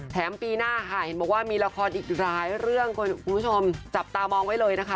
ปีหน้าค่ะเห็นบอกว่ามีละครอีกหลายเรื่องคุณผู้ชมจับตามองไว้เลยนะคะ